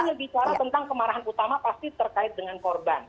ya bicara tentang kemarahan utama pasti terkait dengan korban